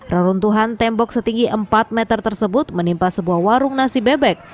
reruntuhan tembok setinggi empat meter tersebut menimpa sebuah warung nasi bebek